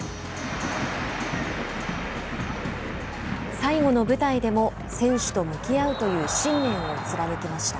最後の舞台でも選手と向き合うという信念を貫きました。